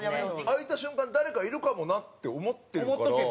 開いた瞬間誰かいるかもなって思ってるから。